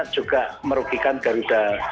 juga merugikan garuda